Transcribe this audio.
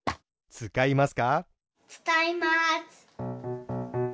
つかいます。